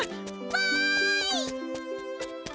わい！